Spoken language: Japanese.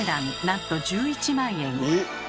なんと１１万円。